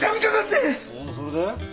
おうそれで？